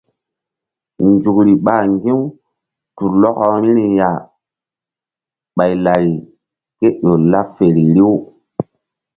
Nzukri ɓa ŋgi̧-u tu lɔkɔ vbiri ya ɓay lari ƴo laɓ feri riw.